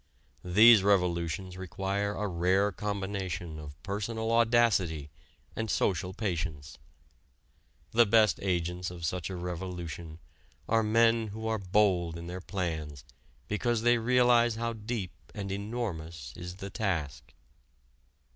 These revolutions require a rare combination of personal audacity and social patience. The best agents of such a revolution are men who are bold in their plans because they realize how deep and enormous is the task.